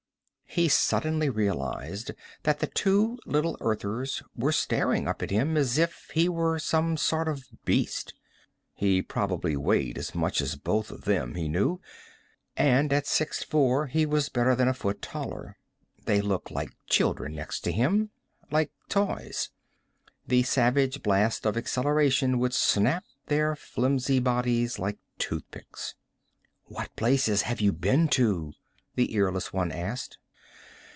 He suddenly realized that the two little Earthers were staring up at him as if he were some sort of beast. He probably weighed as much as both of them, he knew, and at six four he was better than a foot taller. They looked like children next to him, like toys. The savage blast of acceleration would snap their flimsy bodies like toothpicks. "What places have you been to?" the earless one asked.